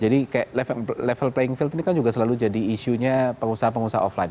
jadi kayak level playing field ini kan juga selalu jadi isunya pengusaha pengusaha offline